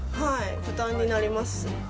負担になります。